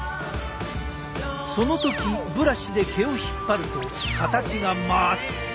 その時ブラシで毛を引っ張ると形がまっすぐに。